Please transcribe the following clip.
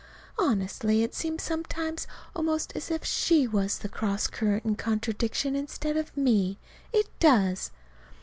Honestly, it seems sometimes almost as if she was the cross current and contradiction instead of me. It does.